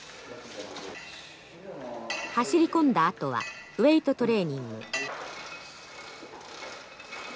走り込んだあとはウエイトトレーニング。